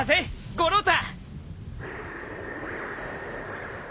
五郎太。